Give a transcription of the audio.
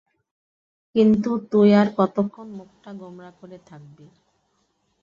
কিন্তু তুই আর কতক্ষণ মুখটা গোমড়া করে থাকবি?